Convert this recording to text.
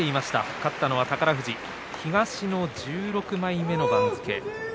勝ったのは宝富士東の１６枚目の番付。